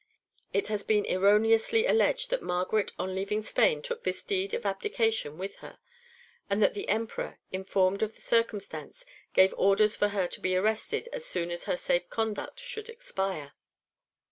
It has been erroneously alleged that Margaret on leaving Spain took this deed of abdication with her, and that the Emperor, informed of the circumstance, gave orders for her to be arrested as soon as her safe conduct should expire.